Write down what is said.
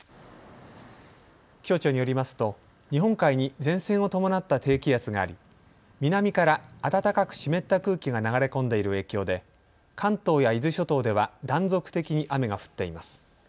気象庁によりますと日本海に前線を伴った低気圧があり、南から暖かく湿った空気が流れ込んでいる影響で関東や伊豆諸島では断続的に雨が降っています。